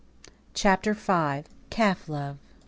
CHAPTER V. CALF LOVE.